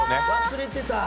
忘れてた！